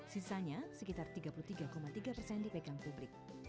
sisanya sekitar tiga puluh tiga tiga persen dipegang publik